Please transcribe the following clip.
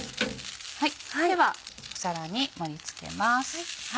では皿に盛り付けます。